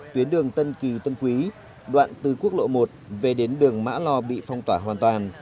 tuyến đường tân kỳ tân quý đoạn từ quốc lộ một về đến đường mã lò bị phong tỏa hoàn toàn